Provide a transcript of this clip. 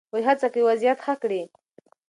هغوی هڅه کوي وضعیت ښه کړي.